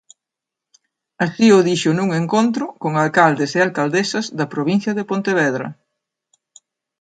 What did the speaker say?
Así o dixo nun encontro con alcaldes e alcaldesas da provincia de Pontevedra.